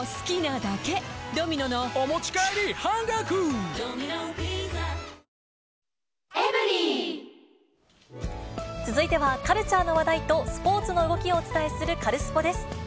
新「ブローネ泡カラー」「ブローネ」続いてはカルチャーの話題と、スポーツの動きをお伝えするカルスポっ！です。